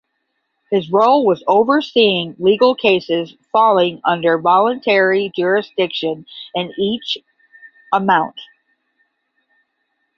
His role was overseeing legal cases falling under voluntary jurisdiction in each Amt.